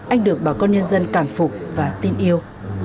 anh được bà con nhân dân cảm phục và tin yêu